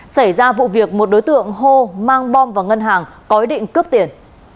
xảy ra vụ việc một đối tượng hô mang bom vào ngân hàng có ý định cướp tiền